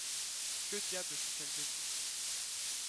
Que diable sont-elles devenues ?